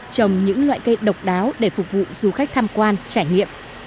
trồng những loại cây độc đáo để phục vụ du khách tham quan trải nghiệm